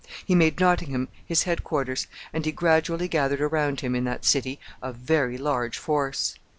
He made Nottingham his head quarters, and he gradually gathered around him, in that city, a very large force.